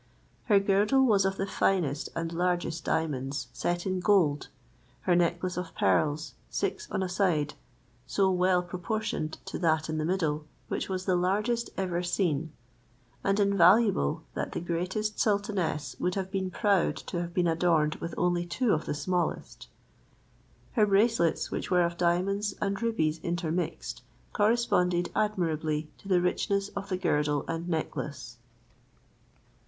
Her girdle was of the finest and largest diamonds set in gold, her necklace of pearls, six on a side, so well proportioned to that in the middle, which was the largest ever seen, and invaluable, that the greatest sultanesses would have been proud to have been adorned with only two of the smallest. Her bracelets, which were of diamonds and rubies intermixed, corresponded admirably to the richness of the girdle and necklace.